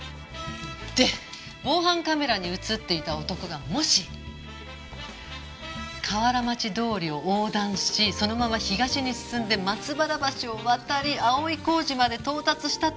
で防犯カメラに映っていた男がもし河原町通を横断しそのまま東に進んで松原橋を渡り葵小路まで到達したとすると。